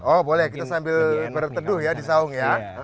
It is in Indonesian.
oh boleh kita sambil berteduh ya di saung ya